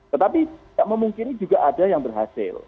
tetapi tidak memungkiri juga ada yang berhasil